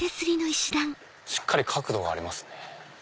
しっかり角度がありますね。